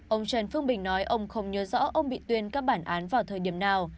ông trần phương bình nói ông không nhớ rõ ông bị tuyên các bản án vào thời điểm nào